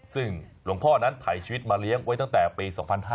ซึ่งหลวงพ่อนั้นถ่ายชีวิตมาเลี้ยงไว้ตั้งแต่ปี๒๕๕๙